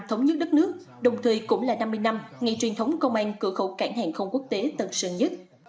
thống nhất đất nước đồng thời cũng là năm mươi năm ngày truyền thống công an cửa khẩu cảng hàng không quốc tế tân sơn nhất